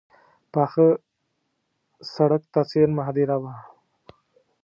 پاخه سړک ته څېرمه هدیره وه.